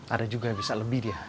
ada juga yang bisa lebih dia